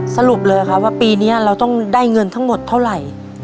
สรุปเลยครับว่าปีนี้เราต้องได้เงินทั้งหมดเท่าไหร่